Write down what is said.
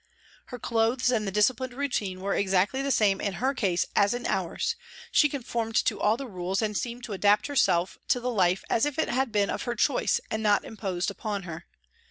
Her clothes and the disciplined routine were exactly the same in her case as in ours, she conformed to all the rules and seemed to adapt herself to the life as if it had been of her choice and not imposed upon her.